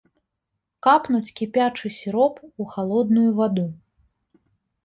Капнуць кіпячы сіроп ў халодную ваду.